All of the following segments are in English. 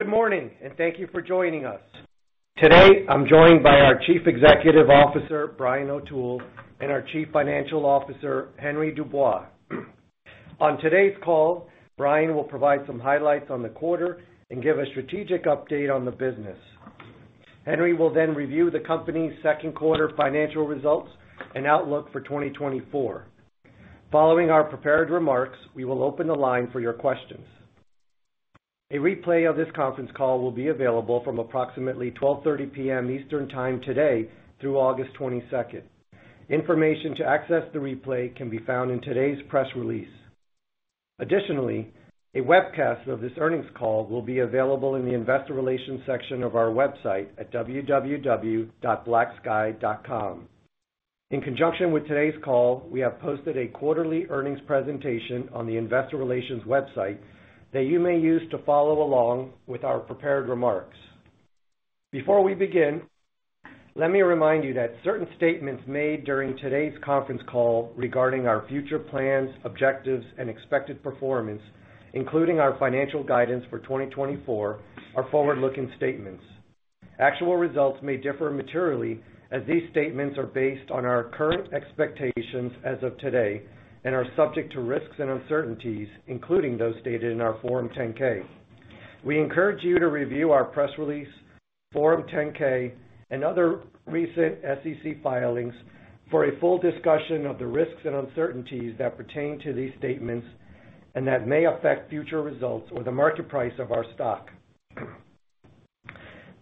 ...Good morning, and thank you for joining us. Today, I'm joined by our Chief Executive Officer, Brian O'Toole, and our Chief Financial Officer, Henry Dubois. On today's call, Brian will provide some highlights on the quarter and give a strategic update on the business. Henry will then review the company's second quarter financial results and outlook for 2024. Following our prepared remarks, we will open the line for your questions. A replay of this conference call will be available from approximately 12:30 P.M. Eastern Time today through August 22. Information to access the replay can be found in today's press release. Additionally, a webcast of this earnings call will be available in the investor relations section of our website at www.blacksky.com. In conjunction with today's call, we have posted a quarterly earnings presentation on the Investor Relations website that you may use to follow along with our prepared remarks. Before we begin, let me remind you that certain statements made during today's conference call regarding our future plans, objectives, and expected performance, including our financial guidance for 2024, are forward-looking statements. Actual results may differ materially, as these statements are based on our current expectations as of today and are subject to risks and uncertainties, including those stated in our Form 10-K. We encourage you to review our press release, Form 10-K, and other recent SEC filings for a full discussion of the risks and uncertainties that pertain to these statements and that may affect future results or the market price of our stock.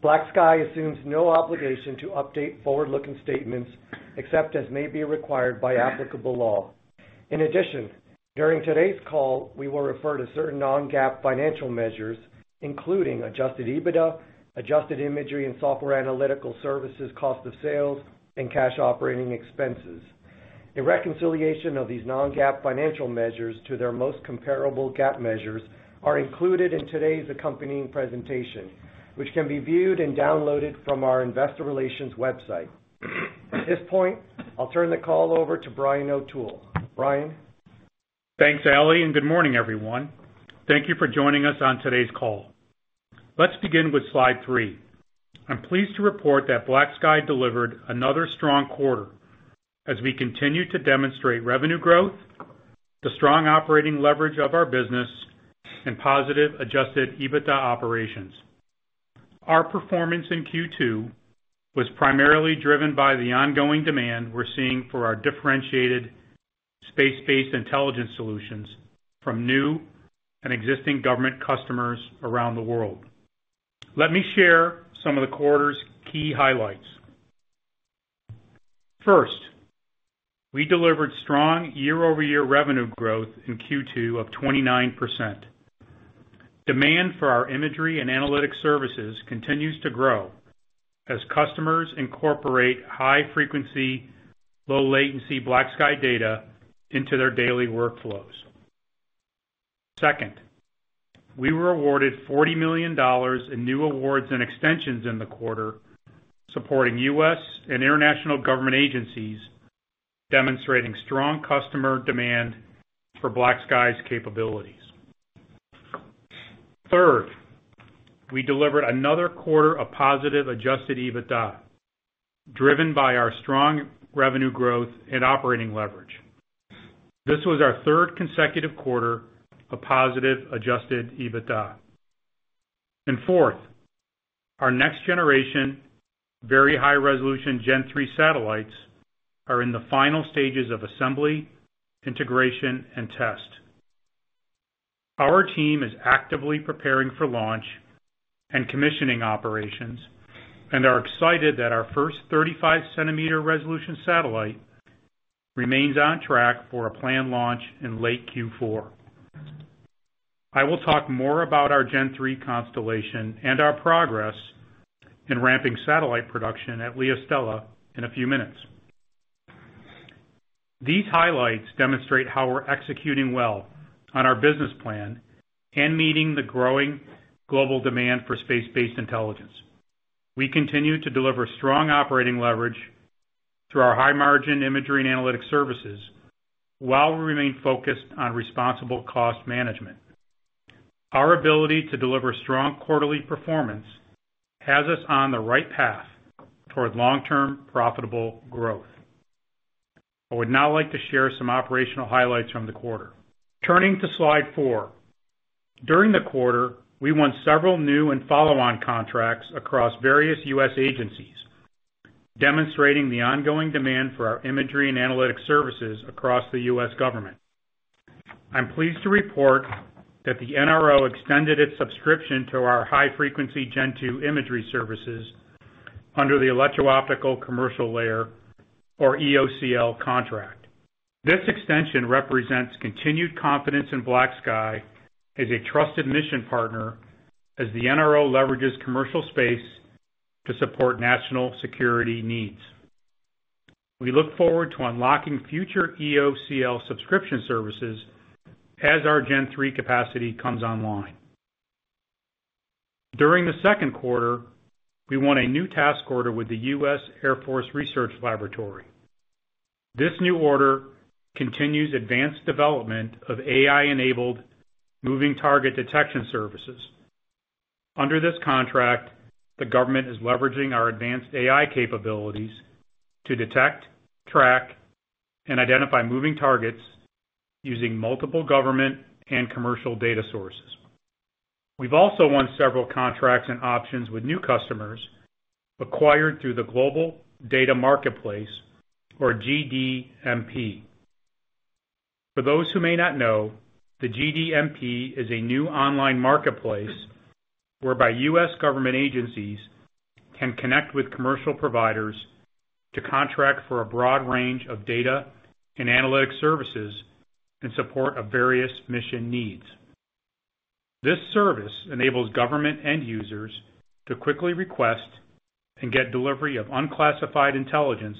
BlackSky assumes no obligation to update forward-looking statements except as may be required by applicable law. In addition, during today's call, we will refer to certain non-GAAP financial measures, including adjusted EBITDA, adjusted imagery and software analytical services, cost of sales, and cash operating expenses. A reconciliation of these non-GAAP financial measures to their most comparable GAAP measures are included in today's accompanying presentation, which can be viewed and downloaded from our Investor Relations website. At this point, I'll turn the call over to Brian O'Toole. Brian? Thanks, Aly, and good morning, everyone. Thank you for joining us on today's call. Let's begin with slide three. I'm pleased to report that BlackSky delivered another strong quarter as we continue to demonstrate revenue growth, the strong operating leverage of our business, and positive adjusted EBITDA operations. Our performance in Q2 was primarily driven by the ongoing demand we're seeing for our differentiated space-based intelligence solutions from new and existing government customers around the world. Let me share some of the quarter's key highlights. First, we delivered strong year-over-year revenue growth in Q2 of 29%. Demand for our imagery and analytics services continues to grow as customers incorporate high-frequency, low-latency BlackSky data into their daily workflows. Second, we were awarded $40 million in new awards and extensions in the quarter, supporting U.S. and international government agencies, demonstrating strong customer demand for BlackSky's capabilities. Third, we delivered another quarter of positive adjusted EBITDA, driven by our strong revenue growth and operating leverage. This was our third consecutive quarter of positive adjusted EBITDA. Fourth, our next generation, very high-resolution Gen-3 satellites, are in the final stages of assembly, integration, and test. Our team is actively preparing for launch and commissioning operations and are excited that our first 35-centimeter resolution satellite remains on track for a planned launch in late Q4. I will talk more about our Gen-3 constellation and our progress in ramping satellite production at LeoStella in a few minutes. These highlights demonstrate how we're executing well on our business plan and meeting the growing global demand for space-based intelligence. We continue to deliver strong operating leverage through our high-margin imagery and analytics services, while we remain focused on responsible cost management. Our ability to deliver strong quarterly performance has us on the right path toward long-term profitable growth. I would now like to share some operational highlights from the quarter. Turning to slide four. During the quarter, we won several new and follow-on contracts across various U.S. agencies, demonstrating the ongoing demand for our imagery and analytics services across the U.S. government. I'm pleased to report that the NRO extended its subscription to our high-frequency Gen-2 imagery services under the Electro-Optical Commercial Layer, or EOCL, contract. This extension represents continued confidence in BlackSky as a trusted mission partner as the NRO leverages commercial space to support national security needs. We look forward to unlocking future EOCL subscription services as our Gen-3 capacity comes online. During the second quarter, we won a new task order with the U.S. Air Force Research Laboratory.... This new order continues advanced development of AI-enabled moving target detection services. Under this contract, the government is leveraging our advanced AI capabilities to detect, track, and identify moving targets using multiple government and commercial data sources. We've also won several contracts and options with new customers acquired through the Global Data Marketplace, or GDMP. For those who may not know, the GDMP is a new online marketplace whereby U.S. government agencies can connect with commercial providers to contract for a broad range of data and analytic services in support of various mission needs. This service enables government end users to quickly request and get delivery of unclassified intelligence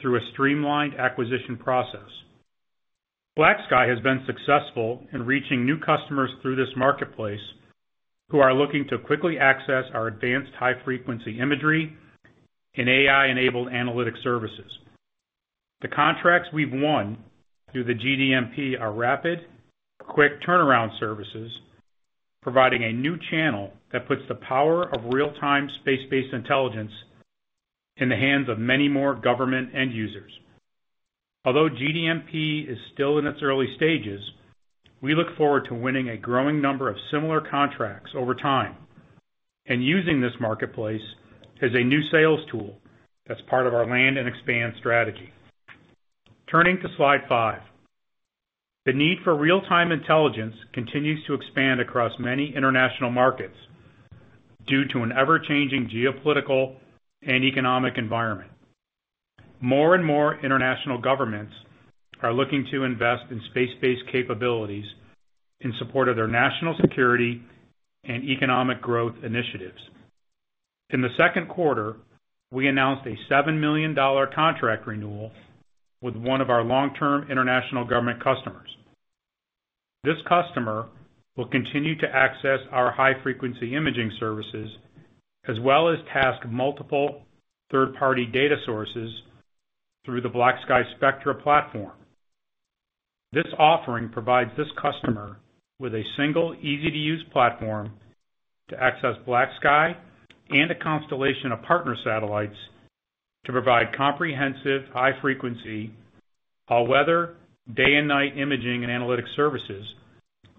through a streamlined acquisition process. BlackSky has been successful in reaching new customers through this marketplace who are looking to quickly access our advanced high-frequency imagery and AI-enabled analytic services. The contracts we've won through the GDMP are rapid, quick turnaround services, providing a new channel that puts the power of real-time space-based intelligence in the hands of many more government end users. Although GDMP is still in its early stages, we look forward to winning a growing number of similar contracts over time and using this marketplace as a new sales tool that's part of our land and expand strategy. Turning to slide five. The need for real-time intelligence continues to expand across many international markets due to an ever-changing geopolitical and economic environment. More and more international governments are looking to invest in space-based capabilities in support of their national security and economic growth initiatives. In the second quarter, we announced a $7 million contract renewal with one of our long-term international government customers. This customer will continue to access our high-frequency imaging services, as well as task multiple third-party data sources through the BlackSky Spectra platform. This offering provides this customer with a single, easy-to-use platform to access BlackSky and a constellation of partner satellites to provide comprehensive, high-frequency, all-weather, day and night imaging and analytics services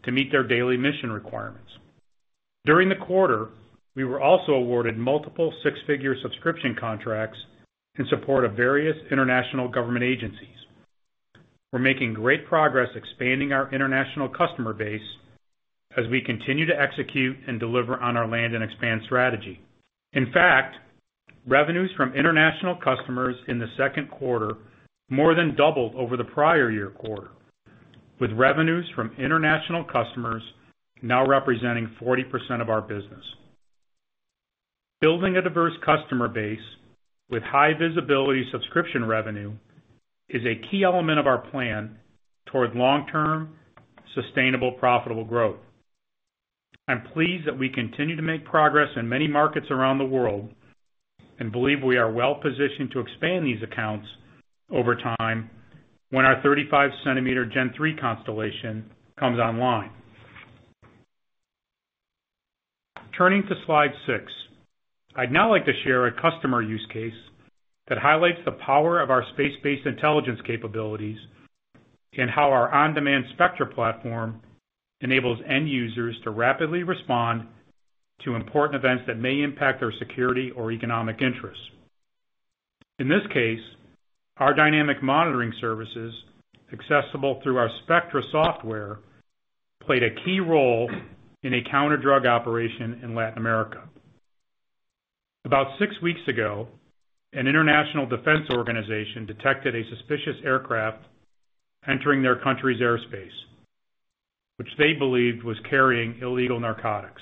to meet their daily mission requirements. During the quarter, we were also awarded multiple six-figure subscription contracts in support of various international government agencies. We're making great progress expanding our international customer base as we continue to execute and deliver on our land and expand strategy. In fact, revenues from international customers in the second quarter more than doubled over the prior year quarter, with revenues from international customers now representing 40% of our business. Building a diverse customer base with high visibility subscription revenue is a key element of our plan toward long-term, sustainable, profitable growth. I'm pleased that we continue to make progress in many markets around the world, and believe we are well positioned to expand these accounts over time when our 35-centimeter Gen-3 constellation comes online. Turning to slide six. I'd now like to share a customer use case that highlights the power of our space-based intelligence capabilities and how our on-demand Spectra platform enables end users to rapidly respond to important events that may impact their security or economic interests. In this case, our dynamic monitoring services, accessible through our Spectra software, played a key role in a counter-drug operation in Latin America. About six weeks ago, an international defense organization detected a suspicious aircraft entering their country's airspace, which they believed was carrying illegal narcotics.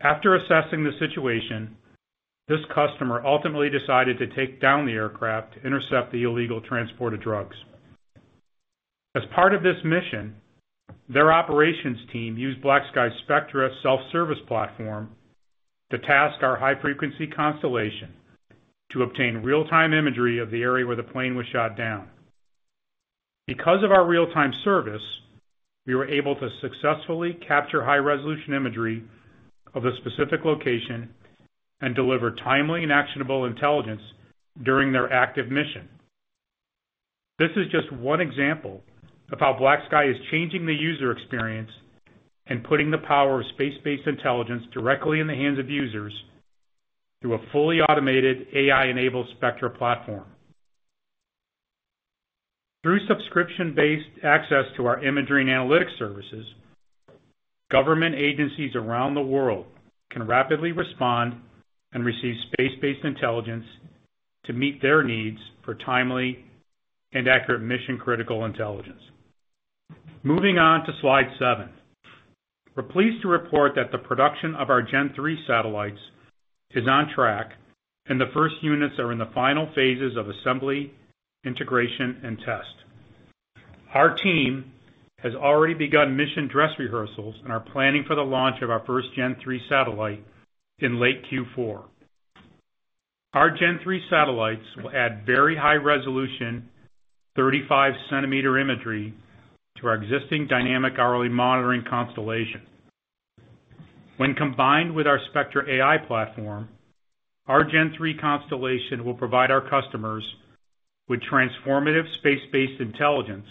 After assessing the situation, this customer ultimately decided to take down the aircraft to intercept the illegal transport of drugs. As part of this mission, their operations team used BlackSky Spectra self-service platform to task our high-frequency constellation to obtain real-time imagery of the area where the plane was shot down. Because of our real-time service, we were able to successfully capture high-resolution imagery of the specific location and deliver timely and actionable intelligence during their active mission. This is just one example of how BlackSky is changing the user experience and putting the power of space-based intelligence directly in the hands of users through a fully automated, AI-enabled Spectra platform. Through subscription-based access to our imagery and analytics services, government agencies around the world can rapidly respond and receive space-based intelligence to meet their needs for timely and accurate mission-critical intelligence. Moving on to slide seven. We're pleased to report that the production of our Gen-3 satellites is on track, and the first units are in the final phases of assembly, integration, and test. Our team has already begun mission dress rehearsals and are planning for the launch of our first Gen-3 satellite in late Q4. Our Gen-3 satellites will add very high resolution, 35-centimeter imagery to our existing dynamic hourly monitoring constellation. When combined with our Spectra AI platform, our Gen-3 constellation will provide our customers with transformative space-based intelligence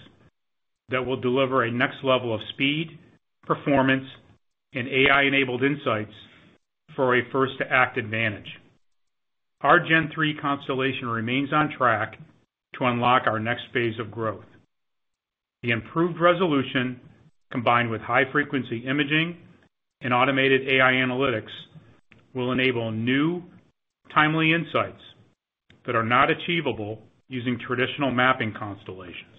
that will deliver a next level of speed, performance, and AI-enabled insights for a first-to-act advantage. Our Gen-3 constellation remains on track to unlock our next phase of growth. The improved resolution, combined with high-frequency imaging and automated AI analytics, will enable new, timely insights that are not achievable using traditional mapping constellations.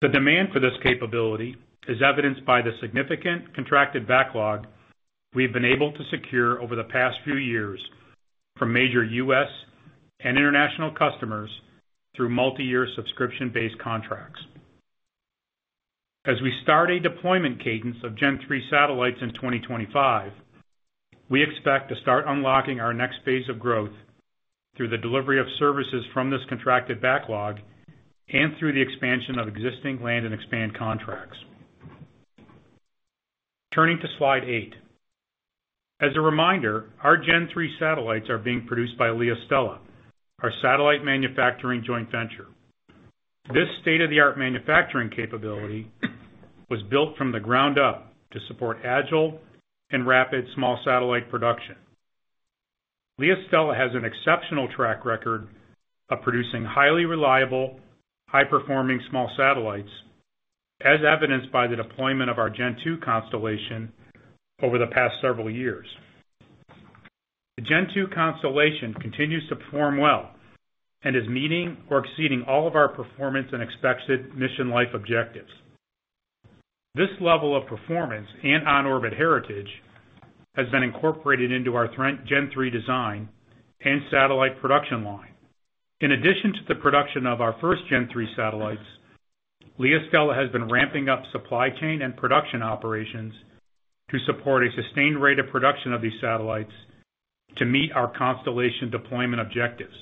The demand for this capability is evidenced by the significant contracted backlog we've been able to secure over the past few years from major U.S. and international customers through multi-year subscription-based contracts. As we start a deployment cadence of Gen-3 satellites in 2025, we expect to start unlocking our next phase of growth through the delivery of services from this contracted backlog and through the expansion of existing land and expand contracts. Turning to slide eight. As a reminder, our Gen-3 satellites are being produced by LeoStella, our satellite manufacturing joint venture. This state-of-the-art manufacturing capability was built from the ground up to support agile and rapid small satellite production. LeoStella has an exceptional track record of producing highly reliable, high-performing small satellites, as evidenced by the deployment of our Gen-2 constellation over the past several years. The Gen-2 constellation continues to perform well and is meeting or exceeding all of our performance and expected mission life objectives. This level of performance and on-orbit heritage has been incorporated into our Gen-3 design and satellite production line. In addition to the production of our first Gen-3 satellites, LeoStella has been ramping up supply chain and production operations to support a sustained rate of production of these satellites to meet our constellation deployment objectives.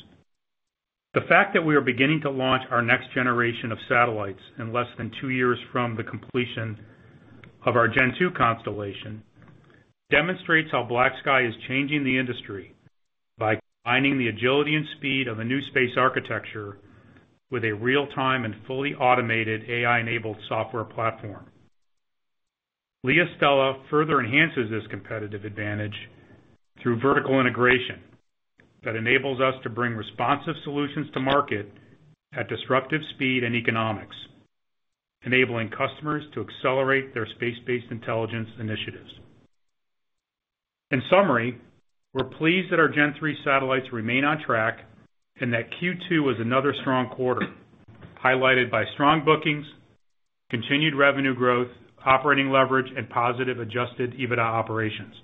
The fact that we are beginning to launch our next generation of satellites in less than 2 years from the completion of our Gen-2 constellation, demonstrates how BlackSky is changing the industry by combining the agility and speed of a new space architecture with a real-time and fully automated AI-enabled software platform. LeoStella further enhances this competitive advantage through vertical integration that enables us to bring responsive solutions to market at disruptive speed and economics, enabling customers to accelerate their space-based intelligence initiatives. In summary, we're pleased that our Gen-3 satellites remain on track and that Q2 was another strong quarter, highlighted by strong bookings, continued revenue growth, operating leverage, and positive adjusted EBITDA operations.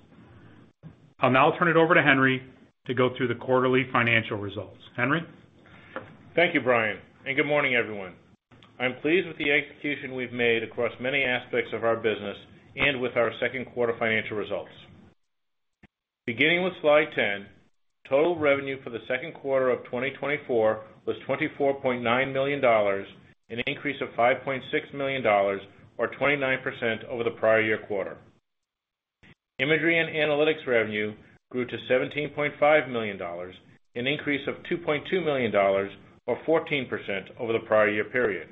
I'll now turn it over to Henry to go through the quarterly financial results. Henry? Thank you, Brian, and good morning, everyone. I'm pleased with the execution we've made across many aspects of our business and with our second quarter financial results. Beginning with slide 10, total revenue for the second quarter of 2024 was $24.9 million, an increase of $5.6 million, or 29% over the prior year quarter. Imagery and analytics revenue grew to $17.5 million, an increase of $2.2 million, or 14% over the prior year period.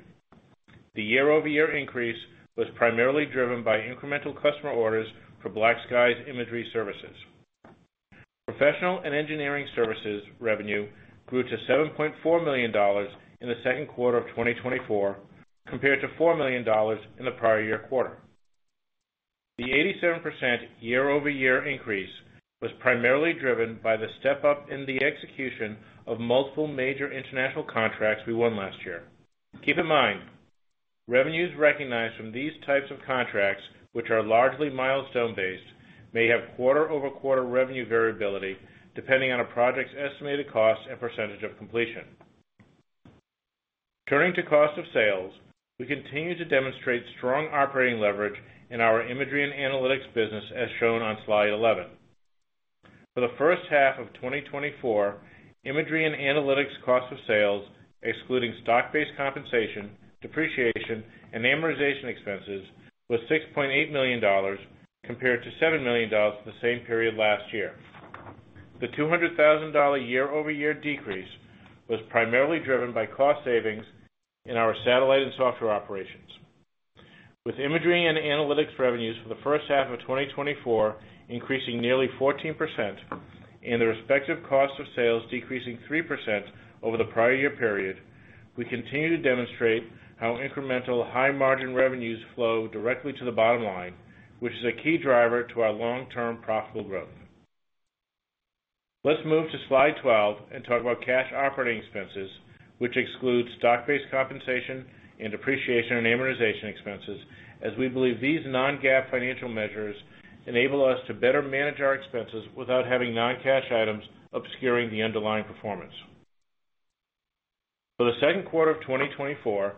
The year-over-year increase was primarily driven by incremental customer orders for BlackSky's imagery services. Professional and engineering services revenue grew to $7.4 million in the second quarter of 2024, compared to $4 million in the prior year quarter. The 87% year-over-year increase was primarily driven by the step up in the execution of multiple major international contracts we won last year. Keep in mind, revenues recognized from these types of contracts, which are largely milestone-based, may have quarter-over-quarter revenue variability, depending on a project's estimated cost and percentage of completion. Turning to cost of sales, we continue to demonstrate strong operating leverage in our Imagery and Analytics business, as shown on slide 11. For the first half of 2024, imagery and analytics cost of sales, excluding stock-based compensation, depreciation, and amortization expenses, was $6.8 million, compared to $7 million for the same period last year. The $200,000 year-over-year decrease was primarily driven by cost savings in our satellite and software operations. With imagery and analytics revenues for the first half of 2024 increasing nearly 14% and the respective cost of sales decreasing 3% over the prior year period, we continue to demonstrate how incremental high-margin revenues flow directly to the bottom line, which is a key driver to our long-term profitable growth. Let's move to slide 12 and talk about cash operating expenses, which exclude stock-based compensation and depreciation and amortization expenses, as we believe these non-GAAP financial measures enable us to better manage our expenses without having non-cash items obscuring the underlying performance. For the second quarter of 2024,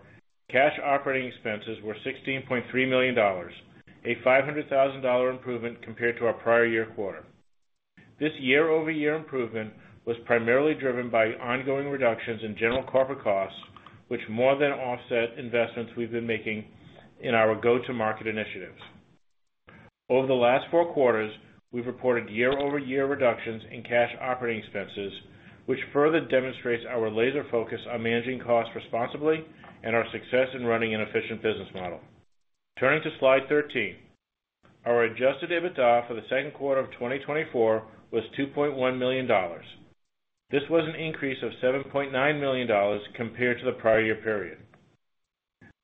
cash operating expenses were $16.3 million, a $500,000 improvement compared to our prior year quarter. This year-over-year improvement was primarily driven by ongoing reductions in general corporate costs, which more than offset investments we've been making in our go-to-market initiatives. Over the last four quarters, we've reported year-over-year reductions in cash operating expenses, which further demonstrates our laser focus on managing costs responsibly and our success in running an efficient business model. Turning to slide 13. Our adjusted EBITDA for the second quarter of 2024 was $2.1 million. This was an increase of $7.9 million compared to the prior year period.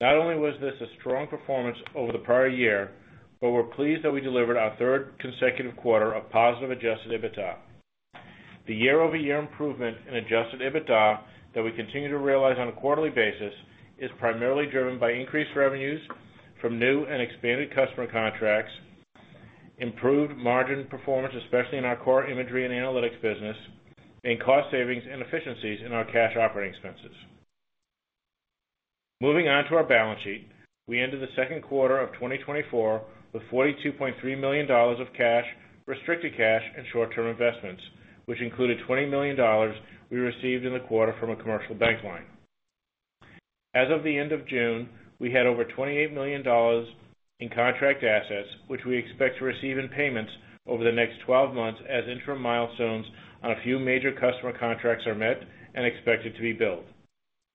Not only was this a strong performance over the prior year, but we're pleased that we delivered our third consecutive quarter of positive adjusted EBITDA. The year-over-year improvement in adjusted EBITDA that we continue to realize on a quarterly basis is primarily driven by increased revenues from new and expanded customer contracts, improved margin performance, especially in our core Imagery and Analytics business, and cost savings and efficiencies in our cash operating expenses. Moving on to our balance sheet. We ended the second quarter of 2024 with $42.3 million of cash, restricted cash, and short-term investments, which included $20 million we received in the quarter from a commercial bank line. As of the end of June, we had over $28 million in contract assets, which we expect to receive in payments over the next 12 months as interim milestones on a few major customer contracts are met and expected to be billed.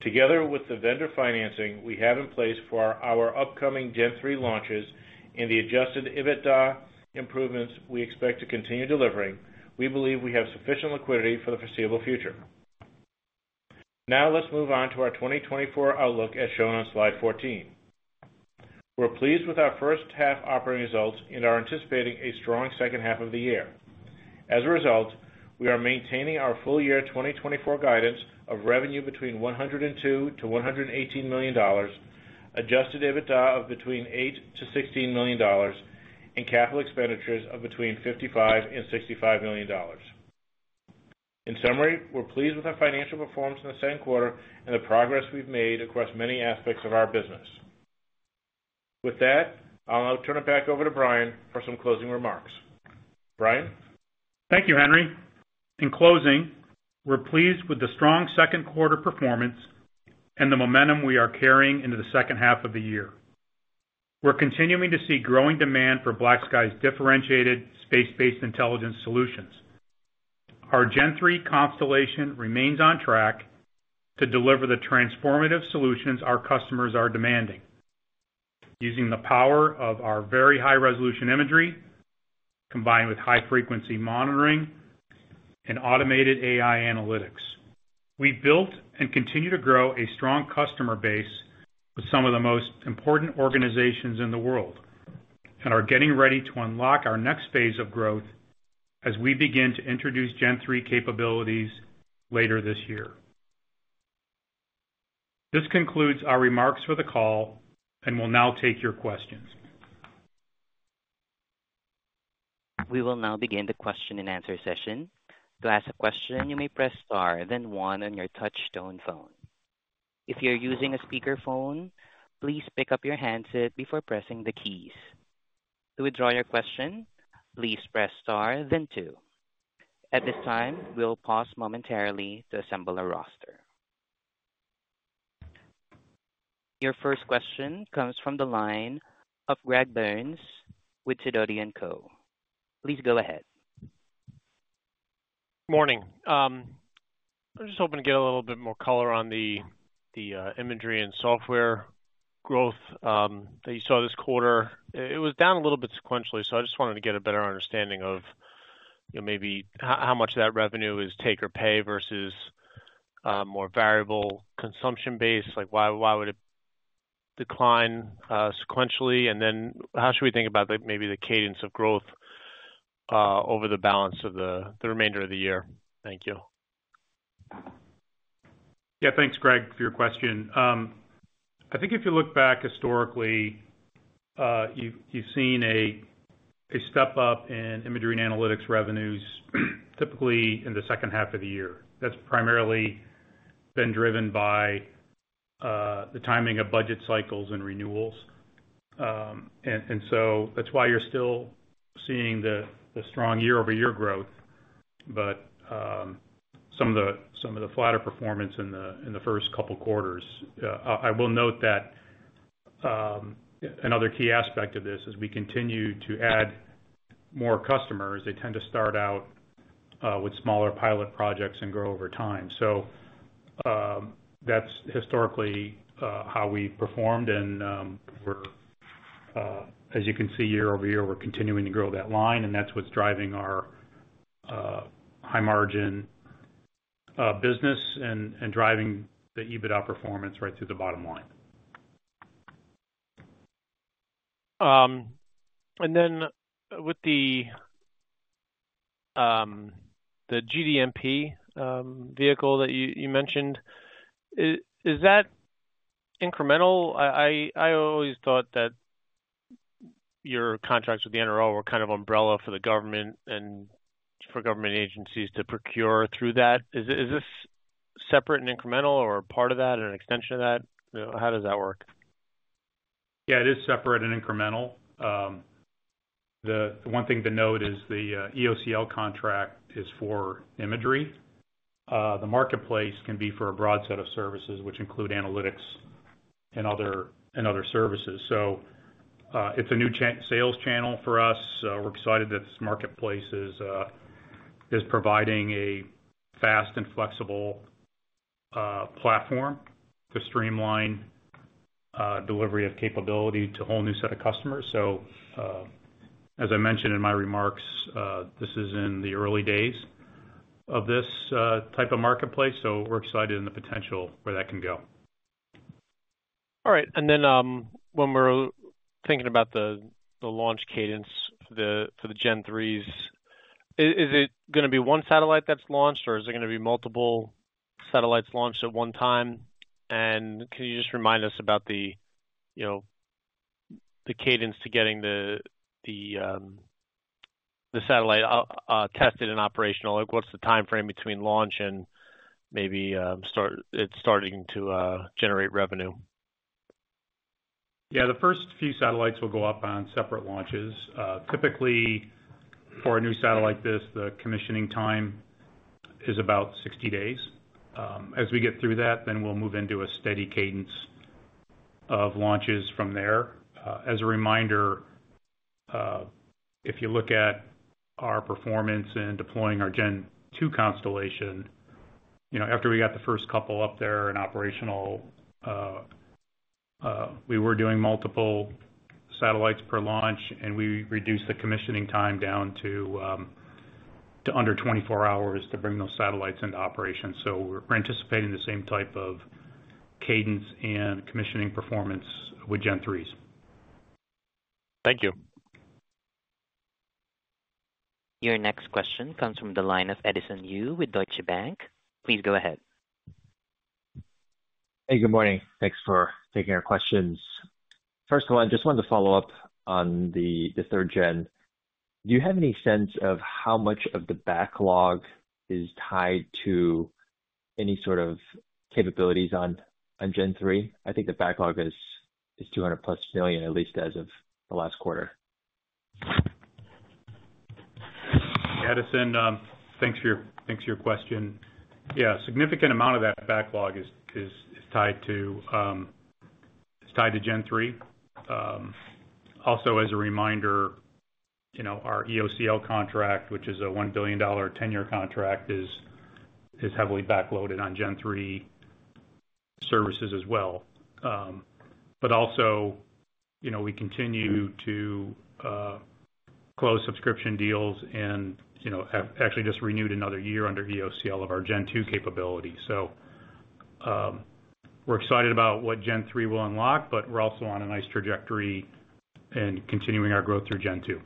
Together with the vendor financing we have in place for our upcoming Gen-3 launches and the adjusted EBITDA improvements we expect to continue delivering, we believe we have sufficient liquidity for the foreseeable future. Now, let's move on to our 2024 outlook, as shown on slide 14. We're pleased with our first half operating results and are anticipating a strong second half of the year. As a result, we are maintaining our full year 2024 guidance of revenue between $102 million-$118 million, adjusted EBITDA of between $8 million-$16 million, and capital expenditures of between $55 million-$65 million. In summary, we're pleased with our financial performance in the second quarter and the progress we've made across many aspects of our business. With that, I'll now turn it back over to Brian for some closing remarks. Brian? Thank you, Henry. In closing, we're pleased with the strong second quarter performance and the momentum we are carrying into the second half of the year. We're continuing to see growing demand for BlackSky's differentiated space-based intelligence solutions. Our Gen-3 constellation remains on track to deliver the transformative solutions our customers are demanding, using the power of our very high-resolution imagery, combined with high-frequency monitoring and automated AI analytics. We built and continue to grow a strong customer base with some of the most important organizations in the world, and are getting ready to unlock our next phase of growth as we begin to introduce Gen-3 capabilities later this year. This concludes our remarks for the call, and we'll now take your questions. We will now begin the question-and-answer session. To ask a question, you may press star then one on your touchtone phone. If you're using a speakerphone, please pick up your handset before pressing the keys. To withdraw your question, please press star then two. At this time, we'll pause momentarily to assemble a roster. Your first question comes from the line of Greg Burns with Sidoti & Co. Please go ahead. Morning. I was just hoping to get a little bit more color on the imagery and software growth that you saw this quarter. It was down a little bit sequentially, so I just wanted to get a better understanding of, you know, maybe how much of that revenue is take or pay versus more variable consumption base. Like, why would it decline sequentially? And then how should we think about maybe the cadence of growth over the balance of the remainder of the year? Thank you. Yeah, thanks, Greg, for your question. I think if you look back historically, you've seen a step up in imagery and analytics revenues typically in the second half of the year. That's primarily been driven by the timing of budget cycles and renewals. And so that's why you're still seeing the strong year-over-year growth, but some of the flatter performance in the first couple quarters. I will note that another key aspect of this is we continue to add more customers. They tend to start out with smaller pilot projects and grow over time. That's historically how we performed and, as you can see, year-over-year, we're continuing to grow that line, and that's what's driving our high-margin business and driving the EBITDA performance right to the bottom line. And then with the GDMP vehicle that you mentioned, is that incremental? I always thought that your contracts with the NRO were kind of umbrella for the government and for government agencies to procure through that. Is this separate and incremental or part of that or an extension of that? How does that work? Yeah, it is separate and incremental. The one thing to note is the EOCL contract is for imagery. The marketplace can be for a broad set of services, which include analytics and other services. So, it's a new sales channel for us. We're excited that this marketplace is providing a fast and flexible platform to streamline delivery of capability to a whole new set of customers. So, as I mentioned in my remarks, this is in the early days of this type of marketplace, so we're excited in the potential where that can go. All right. And then, when we're thinking about the launch cadence for the Gen-3s, is it gonna be one satellite that's launched, or is it gonna be multiple satellites launched at one time? And can you just remind us about the, you know, the cadence to getting the satellite tested and operational? Like, what's the timeframe between launch and maybe starting to generate revenue? Yeah, the first few satellites will go up on separate launches. Typically, for a new satellite like this, the commissioning time is about 60 days. As we get through that, then we'll move into a steady cadence of launches from there. As a reminder, if you look at our performance in deploying our Gen-2 constellation, you know, after we got the first couple up there and operational, we were doing multiple satellites per launch, and we reduced the commissioning time down to under 24 hours to bring those satellites into operation. So we're anticipating the same type of cadence and commissioning performance with Gen-3s. Thank you. Your next question comes from the line of Edison Yu with Deutsche Bank. Please go ahead. Hey, good morning. Thanks for taking our questions. First of all, I just wanted to follow up on the third gen. Do you have any sense of how much of the backlog is tied to any sort of capabilities on Gen-3? I think the backlog is $200+ million, at least as of the last quarter. Edison, thanks for your question. Yeah, a significant amount of that backlog is tied to Gen-3. Also, as a reminder, you know, our EOCL contract, which is a $1 billion 10-year contract, is heavily backloaded on Gen-3 services as well. But also, you know, we continue to close subscription deals and, you know, have actually just renewed another year under EOCL of our Gen-2 capability. So, we're excited about what Gen-3 will unlock, but we're also on a nice trajectory in continuing our growth through Gen-2.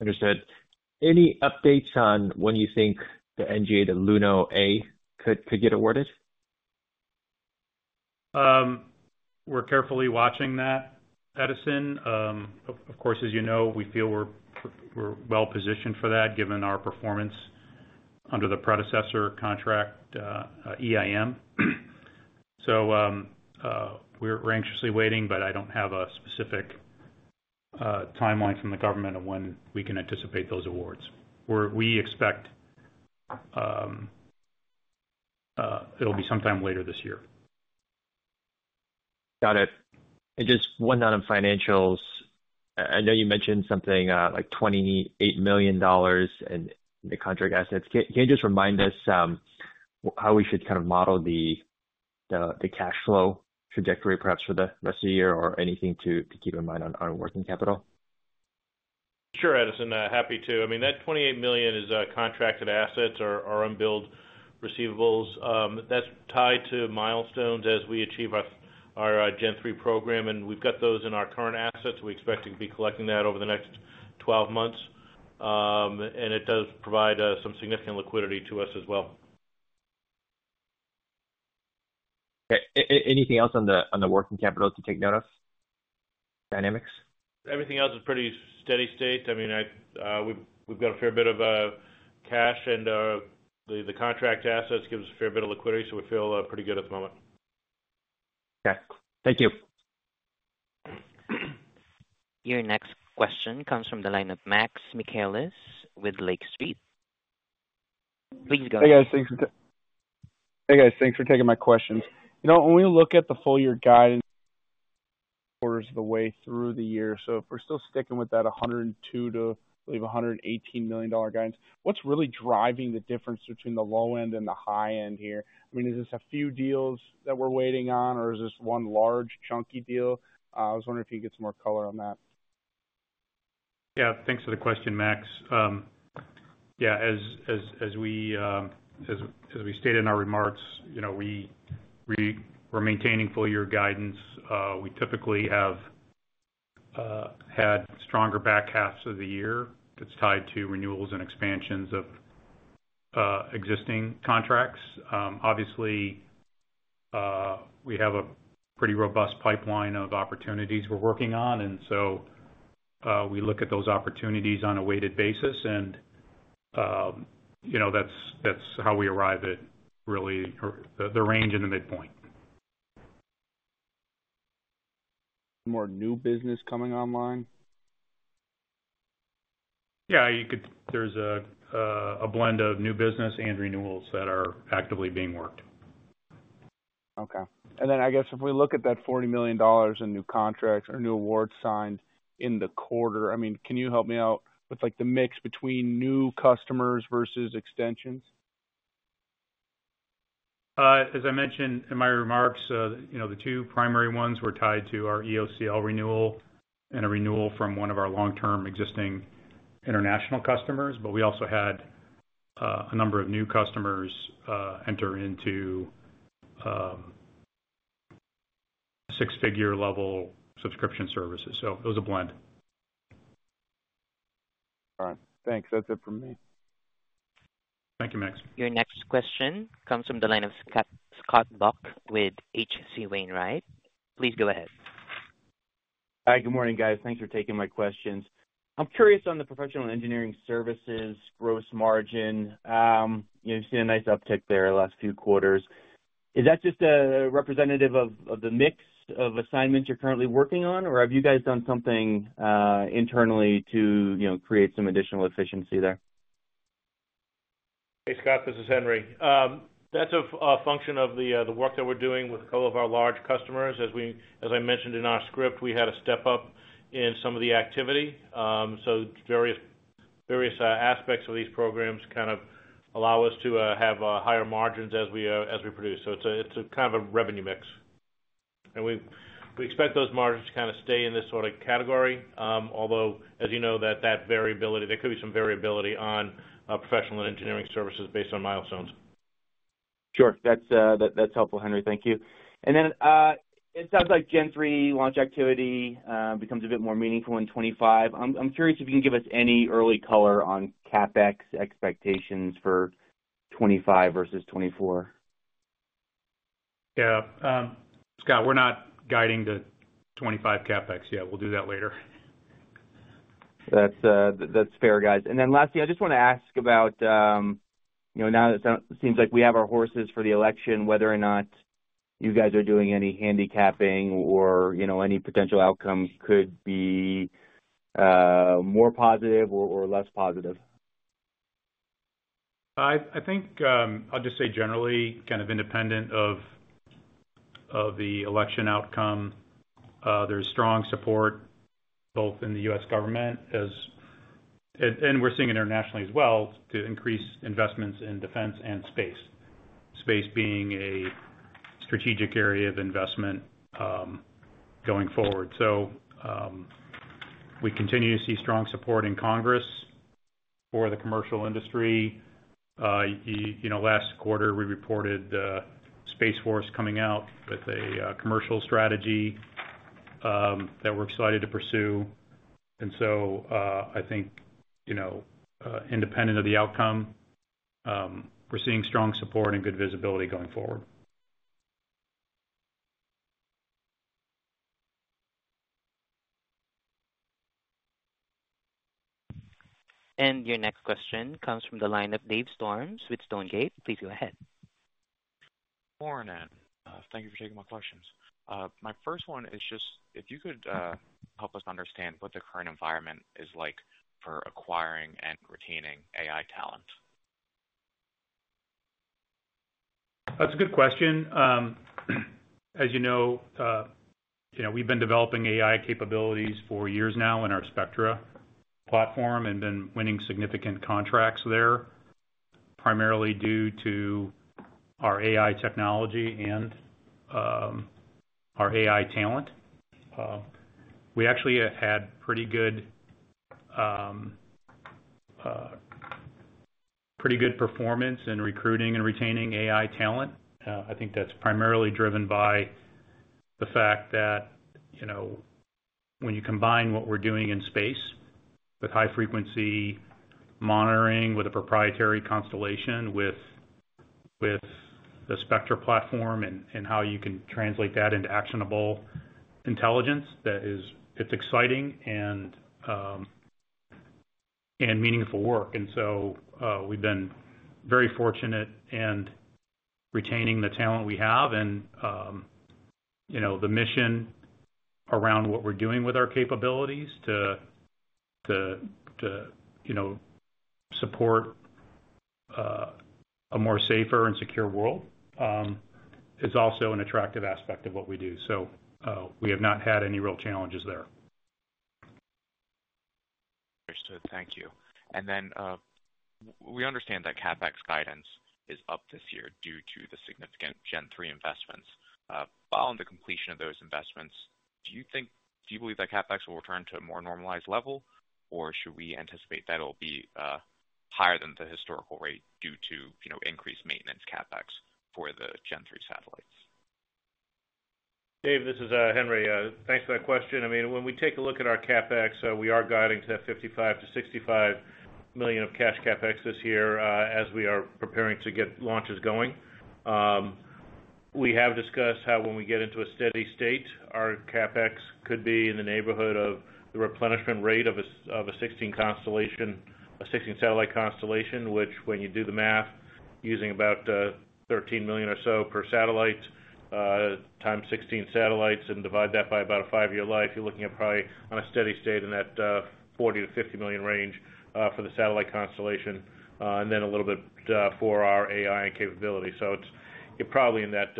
Understood. Any updates on when you think the NGA, the LUNO A could get awarded? We're carefully watching that, Edison. Of course, as you know, we feel we're well positioned for that, given our performance under the predecessor contract, EIM. So, we're anxiously waiting, but I don't have a specific timeline from the government of when we can anticipate those awards. We expect it'll be sometime later this year. Got it. And just one note on financials. I know you mentioned something like $28 million in the contract assets. Can you just remind us how we should kind of model the cash flow trajectory, perhaps for the rest of the year or anything to keep in mind on working capital? Sure, Edison, happy to. I mean, that $28 million is contracted assets or unbilled receivables. That's tied to milestones as we achieve our Gen-3 program, and we've got those in our current assets. We expect to be collecting that over the next 12 months. And it does provide some significant liquidity to us as well. Anything else on the working capital to take note of... dynamics? Everything else is pretty steady state. I mean, we've got a fair bit of cash and the contract assets give us a fair bit of liquidity, so we feel pretty good at the moment. Okay, thank you. Your next question comes from the line of Max Michaelis with Lake Street. Please go ahead. Hey, guys, thanks for taking my question. You know, when we look at the full year guidance quarters of the way through the year, so if we're still sticking with that $102-$118 million guidance, what's really driving the difference between the low end and the high end here? I mean, is this a few deals that we're waiting on, or is this one large, chunky deal? I was wondering if you could get some more color on that. Yeah, thanks for the question, Max. Yeah, as we stated in our remarks, you know, we're maintaining full year guidance. We typically have had stronger back halves of the year that's tied to renewals and expansions of existing contracts. Obviously, we have a pretty robust pipeline of opportunities we're working on, and so, we look at those opportunities on a weighted basis, and, you know, that's how we arrive at really or the range in the midpoint. More new business coming online? Yeah, you could. There's a blend of new business and renewals that are actively being worked. Okay. And then, I guess, if we look at that $40 million in new contracts or new awards signed in the quarter, I mean, can you help me out with, like, the mix between new customers versus extensions? As I mentioned in my remarks, you know, the two primary ones were tied to our EOCL renewal and a renewal from one of our long-term existing international customers, but we also had a number of new customers enter into six-figure level subscription services. So it was a blend. All right. Thanks. That's it for me. Thank you, Max. Your next question comes from the line of Scott, Scott Buck with H.C. Wainwright. Please go ahead. Hi, good morning, guys. Thanks for taking my questions. I'm curious on the professional engineering services gross margin. You've seen a nice uptick there the last few quarters. Is that just representative of the mix of assignments you're currently working on? Or have you guys done something internally to, you know, create some additional efficiency there? Hey, Scott, this is Henry. That's a function of the work that we're doing with a couple of our large customers. As I mentioned in our script, we had a step up in some of the activity. So various aspects of these programs kind of allow us to have higher margins as we produce. So it's a kind of a revenue mix. And we expect those margins to kind of stay in this sort of category, although, as you know, that variability, there could be some variability on professional and engineering services based on milestones. Sure. That's, that's helpful, Henry. Thank you. And then, it sounds like Gen-3 launch activity becomes a bit more meaningful in 2025. I'm, I'm curious if you can give us any early color on CapEx expectations for 2025 versus 2024. Yeah. Scott, we're not guiding the 2025 CapEx yet. We'll do that later. That's, that's fair, guys. And then lastly, I just wanna ask about, you know, now that it seems like we have our horses for the election, whether or not you guys are doing any handicapping or, you know, any potential outcomes could be, more positive or less positive. I think I'll just say generally, kind of independent of the election outcome, there's strong support both in the U.S. government and we're seeing internationally as well, to increase investments in defense and space. Space being a strategic area of investment going forward. So we continue to see strong support in Congress for the commercial industry. You know, last quarter, we reported Space Force coming out with a commercial strategy that we're excited to pursue. And so I think, you know, independent of the outcome, we're seeing strong support and good visibility going forward. Your next question comes from the line of Dave Storms with Stonegate. Please go ahead. Morning, and thank you for taking my questions. My first one is just if you could help us understand what the current environment is like for acquiring and retaining AI talent? That's a good question. As you know, you know, we've been developing AI capabilities for years now in our Spectra platform and been winning significant contracts there, primarily due to our AI technology and our AI talent. We actually have had pretty good performance in recruiting and retaining AI talent. I think that's primarily driven by the fact that, you know, when you combine what we're doing in space with high-frequency monitoring, with a proprietary constellation, with the Spectra platform, and how you can translate that into actionable intelligence, that is... It's exciting and meaningful work. We've been very fortunate in retaining the talent we have and, you know, the mission around what we're doing with our capabilities to support a more safer and secure world is also an attractive aspect of what we do. So, we have not had any real challenges there. Understood. Thank you. And then, we understand that CapEx guidance is up this year due to the significant Gen-3 investments. Following the completion of those investments, do you think, do you believe that CapEx will return to a more normalized level, or should we anticipate that it'll be higher than the historical rate due to, you know, increased maintenance CapEx for the Gen-3 satellites? Dave, this is, Henry. Thanks for that question. I mean, when we take a look at our CapEx, we are guiding to that $55-$65 million of cash CapEx this year, as we are preparing to get launches going. We have discussed how when we get into a steady state, our CapEx could be in the neighborhood of the replenishment rate of a of a 16 constellation, a 16 satellite constellation, which when you do the math, using about, $13 million or so per satellite, times 16 satellites and divide that by about a five-year life, you're looking at probably on a steady state in that, $40-$50 million range, for the satellite constellation, and then a little bit, for our AI capability. So it's, you're probably in that,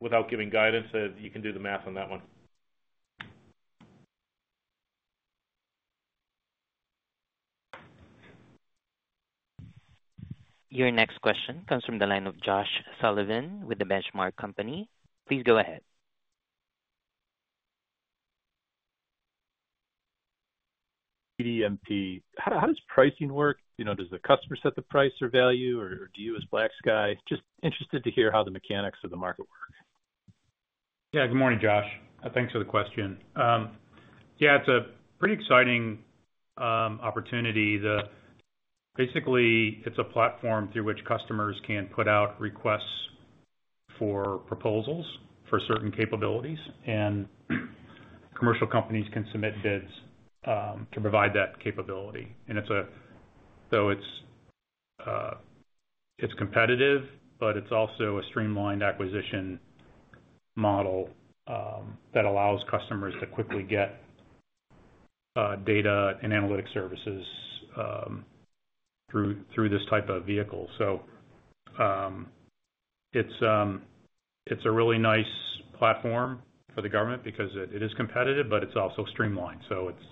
without giving guidance, you can do the math on that one. Your next question comes from the line of Josh Sullivan with The Benchmark Company. Please go ahead. GDMP, how does pricing work? You know, does the customer set the price or value, or do you as BlackSky? Just interested to hear how the mechanics of the market work. Yeah. Good morning, Josh. Thanks for the question. Yeah, it's a pretty exciting opportunity. Basically, it's a platform through which customers can put out requests for proposals for certain capabilities, and commercial companies can submit bids to provide that capability. And it's a... So it's competitive, but it's also a streamlined acquisition model that allows customers to quickly get data and analytic services through this type of vehicle. So it's a really nice platform for the government because it is competitive, but it's also streamlined, so it's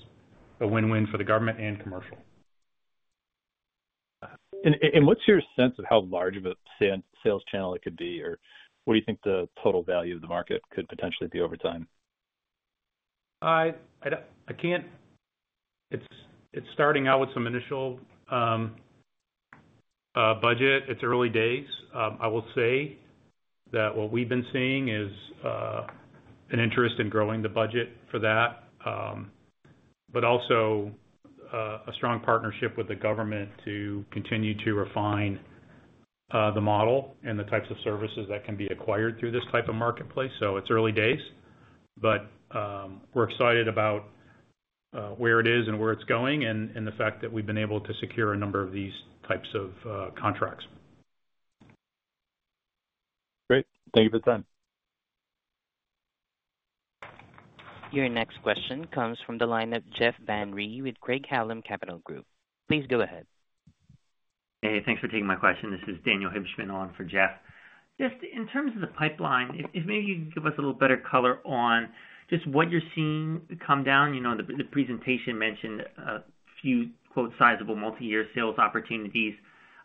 a win-win for the government and commercial. What's your sense of how large of a sales channel it could be? Or what do you think the total value of the market could potentially be over time? It's starting out with some initial budget. It's early days. I will say that what we've been seeing is an interest in growing the budget for that, but also a strong partnership with the government to continue to refine the model and the types of services that can be acquired through this type of marketplace. So it's early days, but we're excited about where it is and where it's going, and the fact that we've been able to secure a number of these types of contracts. Great. Thank you for the time. Your next question comes from the line of Jeff Van Rhee with Craig-Hallum Capital Group. Please go ahead. Hey, thanks for taking my question. This is Daniel Hibshman on for Jeff. Just in terms of the pipeline, if maybe you can give us a little better color on just what you're seeing come down. You know, the presentation mentioned a few, quote, "Sizable multi-year sales opportunities."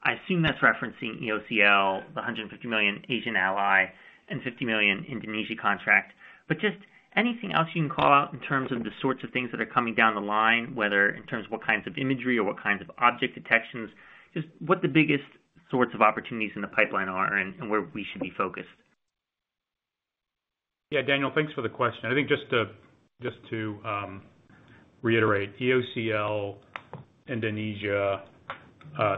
I assume that's referencing EOCL, the $150 million in EOCL, and $50 million Indonesia contract. But just anything else you can call out in terms of the sorts of things that are coming down the line, whether in terms of what kinds of imagery or what kinds of object detections, just what the biggest sorts of opportunities in the pipeline are and where we should be focused. Yeah, Daniel, thanks for the question. I think just to reiterate, EOCL, Indonesia,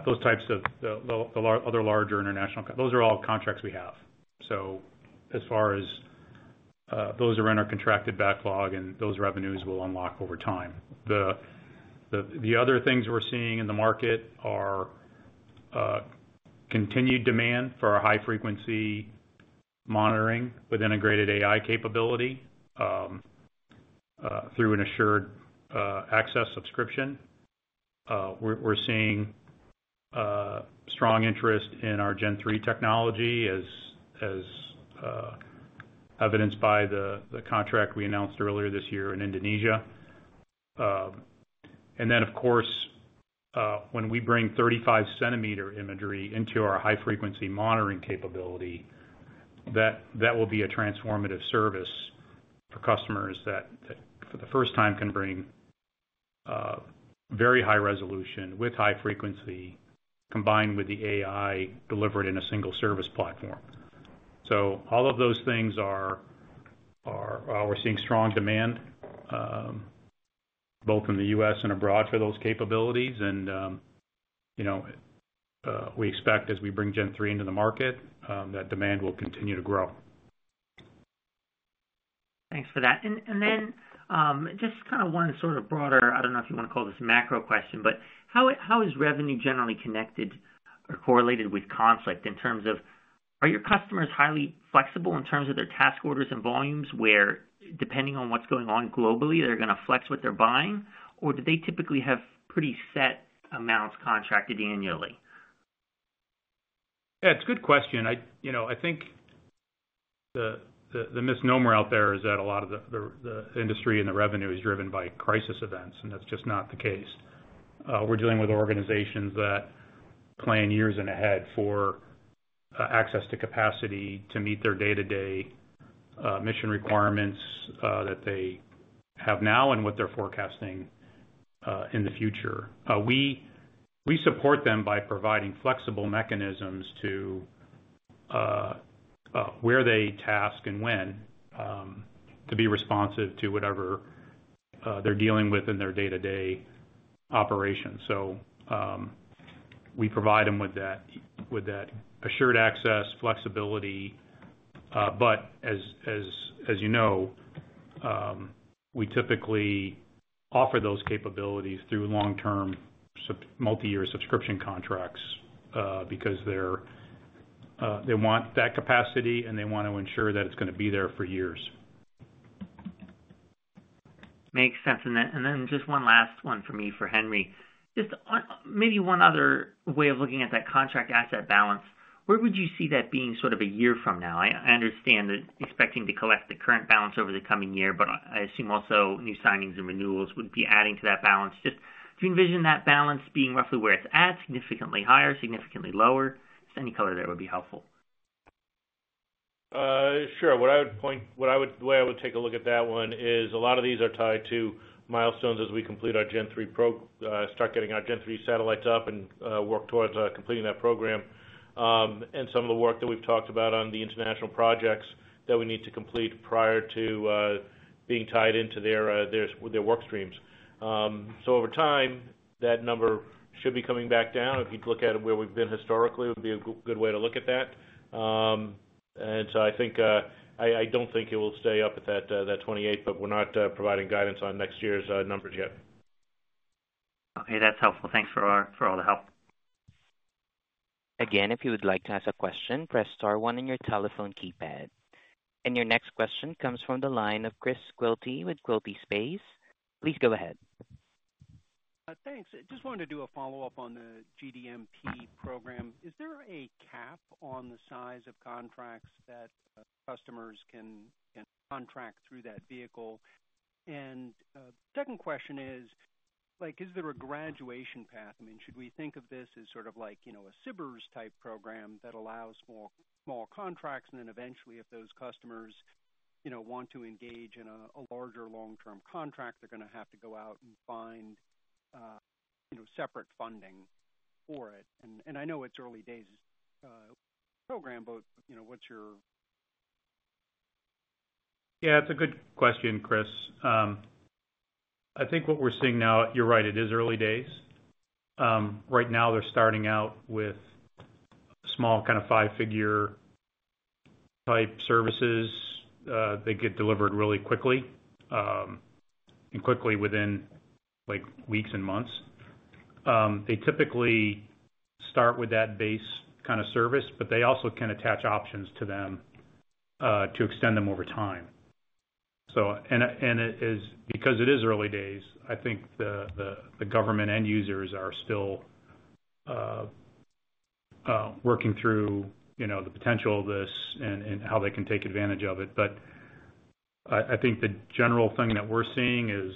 those types of the other larger international contracts, those are all contracts we have. So as far as those are in our contracted backlog, and those revenues will unlock over time. The other things we're seeing in the market are continued demand for our high-frequency monitoring with integrated AI capability through an assured access subscription. We're seeing strong interest in our Gen-3 technology as evidenced by the contract we announced earlier this year in Indonesia. And then, of course, when we bring 35-centimeter imagery into our high-frequency monitoring capability, that will be a transformative service for customers that for the first time can bring very high resolution with high frequency, combined with the AI, delivered in a single service platform. So all of those things, we're seeing strong demand both in the U.S. and abroad for those capabilities. And, you know, we expect as we bring Gen-3 into the market, that demand will continue to grow. Thanks for that. And then, just kinda one sort of broader, I don't know if you wanna call this macro question, but how is revenue generally connected or correlated with conflict in terms of, are your customers highly flexible in terms of their task orders and volumes, where depending on what's going on globally, they're gonna flex what they're buying? Or do they typically have pretty set amounts contracted annually? Yeah, it's a good question. You know, I think the misnomer out there is that a lot of the industry and the revenue is driven by crisis events, and that's just not the case. We're dealing with organizations that plan years ahead for access to capacity to meet their day-to-day mission requirements that they have now and what they're forecasting in the future. We support them by providing flexible mechanisms to where they task and when to be responsive to whatever they're dealing with in their day-to-day operations. So, we provide them with that assured access flexibility. But as you know, we typically offer those capabilities through long-term multi-year subscription contracts, because they're, they want that capacity, and they want to ensure that it's gonna be there for years. Makes sense. And then just one last one for me, for Henry. Just on, maybe one other way of looking at that contract asset balance, where would you see that being sort of a year from now? I understand that expecting to collect the current balance over the coming year, but I assume also new signings and renewals would be adding to that balance. Just, do you envision that balance being roughly where it's at, significantly higher, significantly lower? Just any color there would be helpful. Sure. What I would- the way I would take a look at that one is a lot of these are tied to milestones as we complete our Gen-3 pro- start getting our Gen-3 satellites up and, work towards, completing that program. And some of the work that we've talked about on the international projects that we need to complete prior to, being tied into their, their, their work streams. So over time, that number should be coming back down. If you'd look at it where we've been historically, it would be a good way to look at that. And so I think, I, I don't think it will stay up at that 28, but we're not, providing guidance on next year's, numbers yet. Okay, that's helpful. Thanks for all the help. Again, if you would like to ask a question, press star one on your telephone keypad. And your next question comes from the line of Chris Quilty with Quilty Space. Please go ahead. Thanks. Just wanted to do a follow-up on the GDMP program. Is there a cap on the size of contracts that customers can contract through that vehicle? And second question is, like, is there a graduation path? I mean, should we think of this as sort of like, you know, a SBIRs-type program that allows more small contracts, and then eventually, if those customers, you know, want to engage in a larger long-term contract, they're gonna have to go out and find, you know, separate funding for it. And I know it's early days, program, but, you know, what's your? Yeah, it's a good question, Chris. I think what we're seeing now, you're right, it is early days. Right now they're starting out with small, kind of, five-figure-type services. They get delivered really quickly, and quickly within, like, weeks and months. They typically start with that base kind of service, but they also can attach options to them, to extend them over time. So and it is, because it is early days, I think the government end users are still working through, you know, the potential of this and how they can take advantage of it. But I think the general thing that we're seeing is,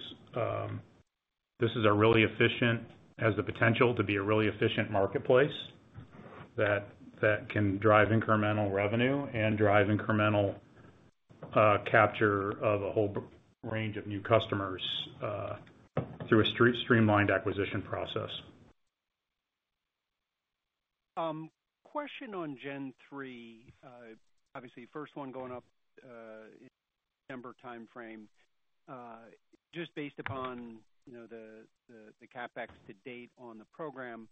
this is a really efficient, has the potential to be a really efficient marketplace that can drive incremental revenue and drive incremental capture of a whole broad range of new customers through a streamlined acquisition process. Question on Gen-3. Obviously, first one going up, September timeframe. Just based upon, you know, the CapEx to date on the program,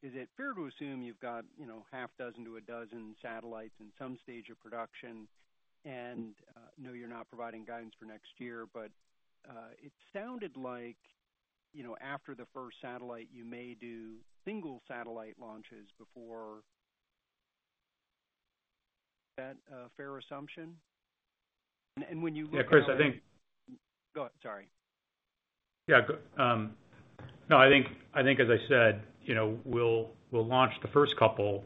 is it fair to assume you've got, you know, half dozen to a dozen satellites in some stage of production? And, you know you're not providing guidance for next year, but, it sounded like, you know, after the first satellite, you may do single satellite launches before. Is that a fair assumption? And when you look at- Yeah, Chris, I think- Go, sorry. Yeah, no, I think as I said, you know, we'll launch the first couple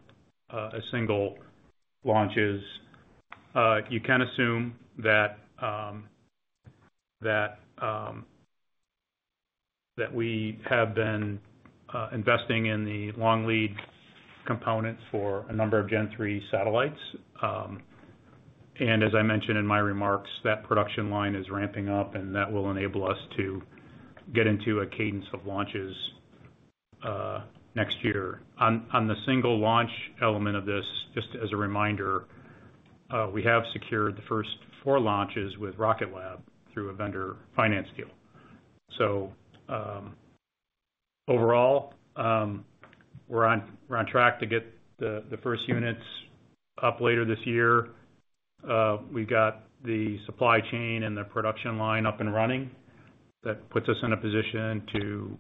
as single launches. You can assume that we have been investing in the long lead components for a number of Gen-3 satellites. And as I mentioned in my remarks, that production line is ramping up, and that will enable us to get into a cadence of launches next year. On the single launch element of this, just as a reminder, we have secured the first four launches with Rocket Lab through a vendor finance deal. So, overall, we're on track to get the first units up later this year. We've got the supply chain and the production line up and running. That puts us in a position to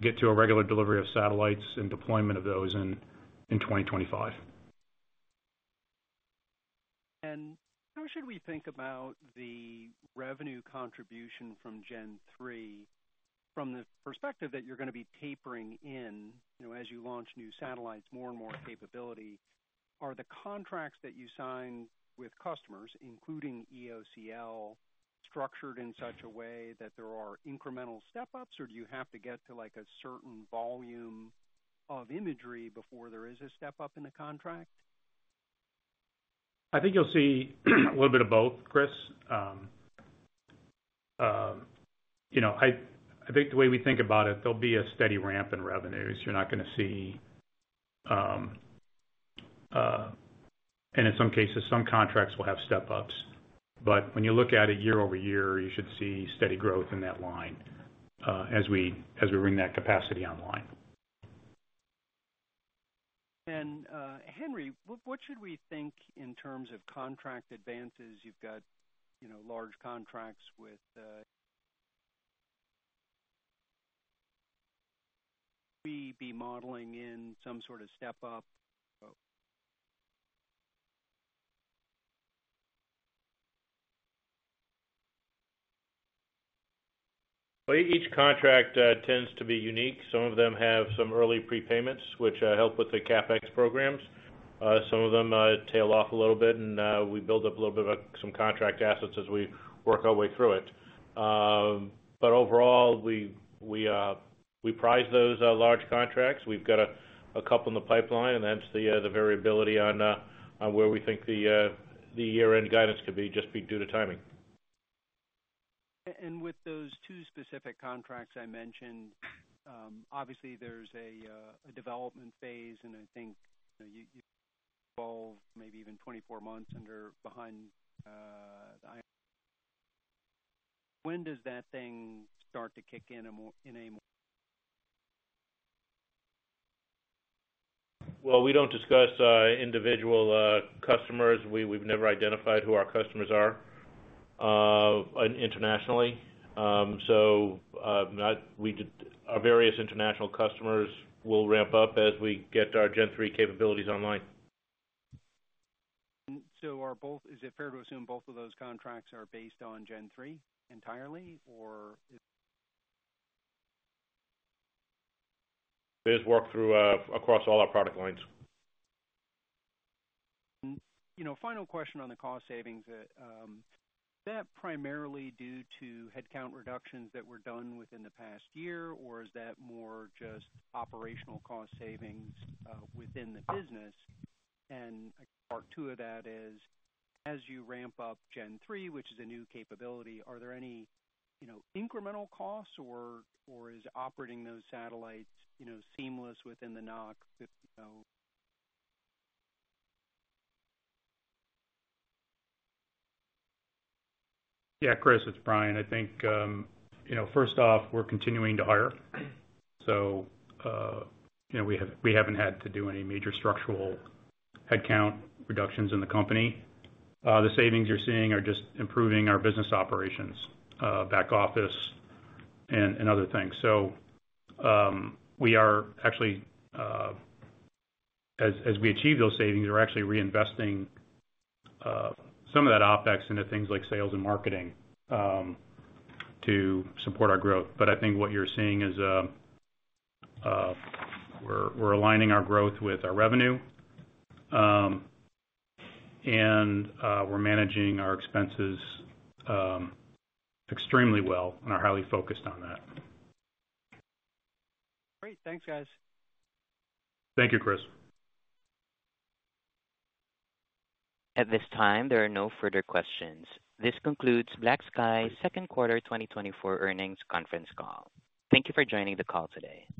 get to a regular delivery of satellites and deployment of those in 2025. How should we think about the revenue contribution from Gen-3, from the perspective that you're gonna be tapering in, you know, as you launch new satellites, more and more capability? Are the contracts that you signed with customers, including EOCL, structured in such a way that there are incremental step-ups, or do you have to get to, like, a certain volume of imagery before there is a step-up in the contract? I think you'll see a little bit of both, Chris. You know, I think the way we think about it, there'll be a steady ramp in revenues. You're not gonna see. And in some cases, some contracts will have step-ups. But when you look at it year-over-year, you should see steady growth in that line, as we bring that capacity online. Henry, what, what should we think in terms of contract advances? You've got, you know, large contracts with, should we be modeling in some sort of step-up? Well, each contract tends to be unique. Some of them have some early prepayments, which help with the CapEx programs. Some of them tail off a little bit, and we build up a little bit of some contract assets as we work our way through it. But overall, we price those large contracts. We've got a couple in the pipeline, and that's the variability on where we think the year-end guidance could be, just be due to timing. And with those two specific contracts I mentioned, obviously there's a development phase, and I think, you know, you evolve maybe even 24 months under, behind, the iron. When does that thing start to kick in a more, in a more- Well, we don't discuss individual customers. We, we've never identified who our customers are internationally. Our various international customers will ramp up as we get our Gen-3 capabilities online. So is it fair to assume both of those contracts are based on Gen-3 entirely, or? There's work through across all our product lines. You know, final question on the cost savings. Is that primarily due to headcount reductions that were done within the past year, or is that more just operational cost savings within the business? And part two of that is, as you ramp up Gen-3, which is a new capability, are there any, you know, incremental costs, or is operating those satellites, you know, seamless within the NOC, you know? Yeah, Chris, it's Brian. I think, you know, first off, we're continuing to hire. So, you know, we have, we haven't had to do any major structural headcount reductions in the company. The savings you're seeing are just improving our business operations, back office and other things. So, we are actually, as we achieve those savings, we're actually reinvesting some of that OpEx into things like sales and marketing to support our growth. But I think what you're seeing is, we're aligning our growth with our revenue, and we're managing our expenses extremely well and are highly focused on that. Great. Thanks, guys. Thank you, Chris. At this time, there are no further questions. This concludes BlackSky's second quarter 2024 earnings conference call. Thank you for joining the call today.